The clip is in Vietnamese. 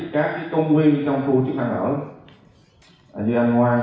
các công viên trong khu chức năng ở